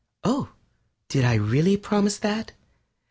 Oh, did I really promise that?